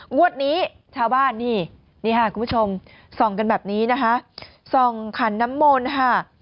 งวดนี้ชาวบ้านนี่ครับคุณผู้ชมส่องกันแบบนี้ส่องขันน้ำมนธ์นะฮะ